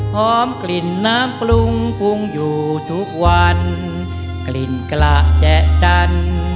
หอมกลิ่นน้ำกรุงกรุงอยู่ทุกวันกลิ่นกระแจะดัน